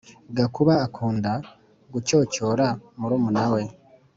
gakuba akunda gucyocyora murumuna we